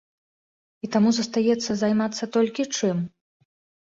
І таму застаецца займацца толькі чым?